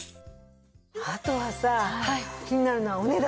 あとはさ気になるのはお値段ですよね？